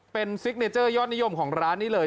เป็นซิกเนเจอร์ยอดนิยมของร้านนี้เลย